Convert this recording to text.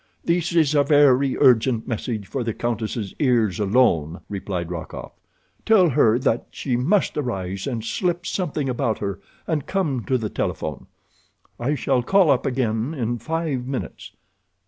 "This is a very urgent message for the countess' ears alone," replied Rokoff. "Tell her that she must arise and slip something about her and come to the telephone. I shall call up again in five minutes."